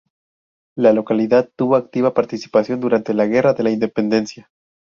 La localidad tuvo activa participación durante la Guerra de la Independencia.